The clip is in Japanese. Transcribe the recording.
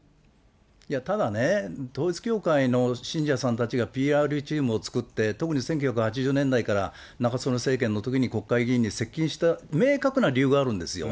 いや、ただね、統一教会の信者さんたちがＰＲチームを作って、特に１９８０年代から中曽根政権のときに国会議員に接近した、明確な理由があるんですよ。